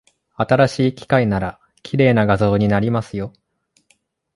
新しい機械なら、綺麗な画像になりますよ。